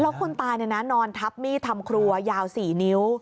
แล้วคุณตายนี่นะนอนทับมี่ทำครัวยาว๔นิ้ว